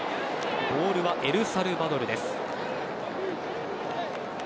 ボールはエルサルバドルです。